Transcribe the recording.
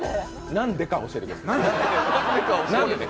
なんでか教えてください。